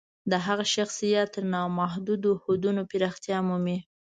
د هغه شخصیت تر نامحدودو حدونو پراختیا مومي.